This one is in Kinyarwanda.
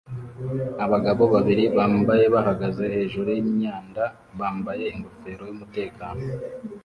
Abagabo babiri bambaye bahagaze hejuru y’imyanda bambaye ingofero yumutekano